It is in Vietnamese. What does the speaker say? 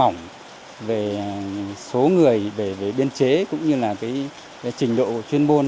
mỏng về số người về biên chế cũng như là trình độ chuyên môn